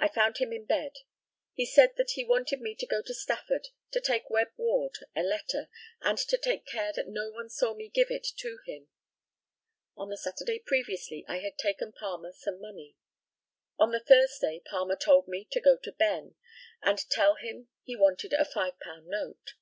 I found him in bed. He said that he wanted me to go to Stafford to take Webb Ward a letter, and to take care that no one saw me give it to him. On the Saturday previously I had taken Palmer some money. On the Thursday Palmer told me to go to Ben, and tell him he wanted a £5 note.